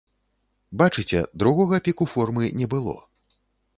Бачыце, другога піку формы не было.